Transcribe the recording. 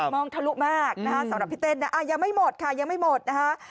องทะลุมากนะคะสำหรับพี่เต้นนะยังไม่หมดค่ะยังไม่หมดนะคะ